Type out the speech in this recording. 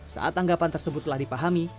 saat anggapan tersebut telah dipahami